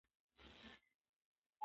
چې ورو ورو ياد قوم هم لمنځه ولاړ شي.